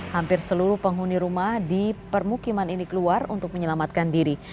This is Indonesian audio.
hampir seluruh penghuni rumah di permukiman ini keluar untuk menyelamatkan diri